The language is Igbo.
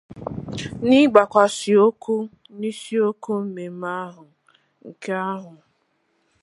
N'ịgbakwàsà ụkwụ n'isiokwu mmemme ahụ nke ahọ a